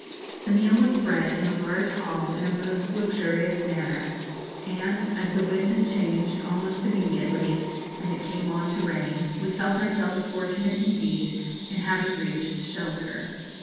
The meal was spread in a large hall in a most luxurious manner, and as the wind changed almost immediately, and it came on to rain, we felt ourselves fortunate indeed in having reached shelter.